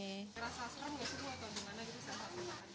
rasa serem gak sih